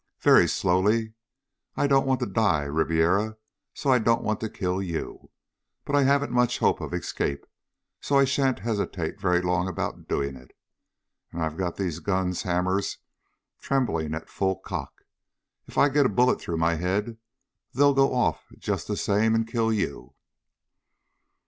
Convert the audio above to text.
"Very slowly. I don't want to die, Ribiera, so I don't want to kill you. But I haven't much hope of escape, so I shan't hesitate very long about doing it. And I've got these guns' hammers trembling at full cock. If I get a bullet through my head, they'll go off just the same and kill you."